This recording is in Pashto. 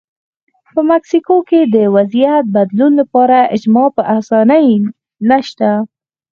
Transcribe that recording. په مکسیکو کې د وضعیت بدلون لپاره اجماع په اسانۍ نشته.